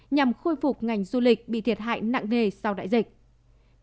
nhằm khôi phục ngành du lịch bị thiệt hại nặng nề sau đại dịch